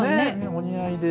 お似合いで。